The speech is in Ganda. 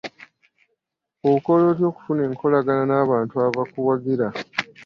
Okola otya okufuna enkolagana n'abantu abakuwagira?